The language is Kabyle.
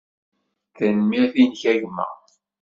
Tanemmirt-nnek, a gma.